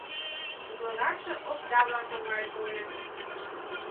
— Утларакше овда-влак оҥай койыч.